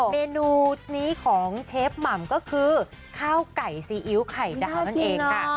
เมนูนี้ของเชฟหม่ำก็คือข้าวไก่ซีอิ๊วไข่ดาวนั่นเองค่ะ